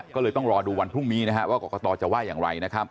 ก็เลยต้องรอดูวันพรุ่งนี้ว่ากรกตจะว่าอย่างไร